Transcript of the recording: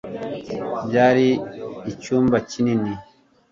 byari icyumba kinini